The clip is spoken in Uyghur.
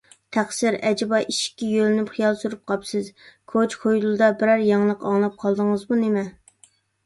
تەقسىر، ئەجەبا، ئىشىككە يۆلىنىپ خىيال سۈرۈپ قاپسىز، كوچا - كويلىدا بىرەر يېڭىلىق ئاڭلاپ قالدىڭىزمۇ نېمە؟